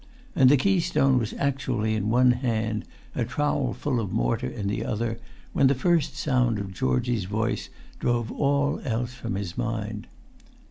And the keystone was actually in one hand, a trowel full of mortar in the other, when the first sound of Georgie's voice drove all else from his mind.